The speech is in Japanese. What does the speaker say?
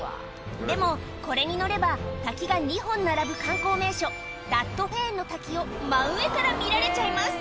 でもこれに乗れば滝が２本並ぶ観光名所を真上から見られちゃいます